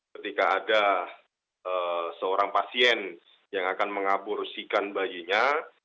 ketika ada seorang pasien yang akan mengaborsikan bayinya